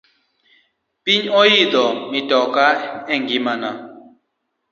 Pok ayidho mitoka e ngima na